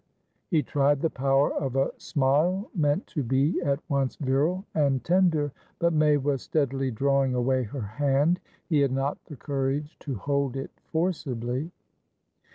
He tried the power of a smile meant to be at once virile and tender, but May was steadily drawing away her hand; he had not the courage to hold it forcibly.